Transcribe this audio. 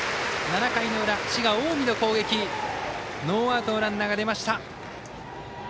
７回の裏、滋賀・近江の攻撃ノーアウトのランナーが出ました。